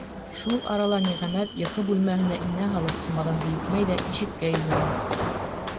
Шул арала Ниғәмәт йоҡо бүлмәһенә инә һалып сумаҙанды йөкмәй ҙә ишеккә йүгерә.